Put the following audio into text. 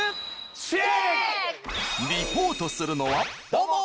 リポートするのはどうも！